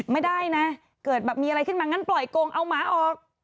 ไม่ได้นะเกิดแบบมีอะไรขึ้นมางั้นปล่อยกงเอาหมาออก